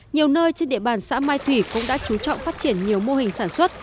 nhiều nơi trên địa bàn xã mai thủy cũng đã chú trọng phát triển nhiều mô hình sản xuất